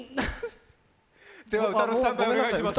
では歌のスタンバイお願いします。